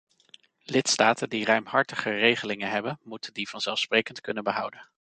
Lidstaten die ruimhartiger regelingen hebben, moeten die vanzelfsprekend kunnen behouden.